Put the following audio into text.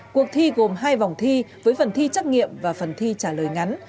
cuộc thi gồm hai vòng thi với phần thi trắc nghiệm và phần thi trả lời ngắn